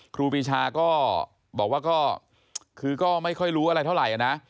ครูปีชาก็บอกว่าก็คือก็ไม่ค่อยรู้อะไรเท่าไหร่นะ